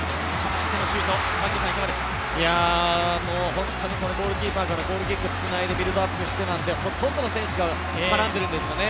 本当にゴールキーパーからゴールキックでつないでビルドアップしてなので、ほとんどの選手が絡んでるんですね。